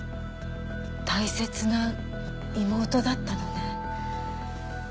大切な妹だったのね。